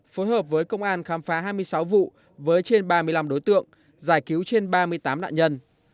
phối hợp với công an khám phá hai mươi sáu vụ với trên ba mươi năm đối tượng giải cứu trên ba mươi tám nạn nhân